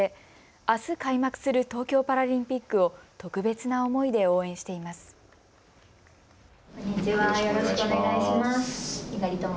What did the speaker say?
あす開幕する東京パラリンピックを特別な思いで応援しています。